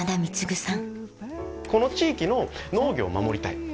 この地域の農業を守りたい。